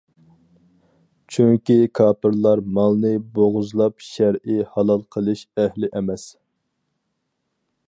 چۈنكى كاپىرلار مالنى بوغۇزلاپ شەرئى ھالال قىلىش ئەھلى ئەمەس.